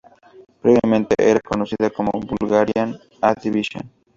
Previamente era conocida como Bulgarian A Division.